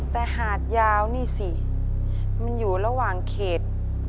แต่หาดยาวนี่สิมันอยู่ระหว่างเขต